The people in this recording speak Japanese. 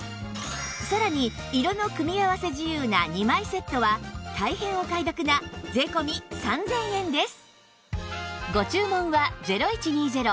さらに色の組み合わせ自由な２枚セットは大変お買い得な税込３０００円です